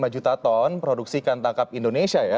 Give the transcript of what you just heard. lima juta ton produksi ikan tangkap indonesia ya